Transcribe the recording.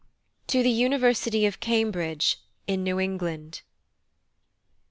TO THE UNIVERSITY OF CAMBRIDGE, IN NEW ENGLAND.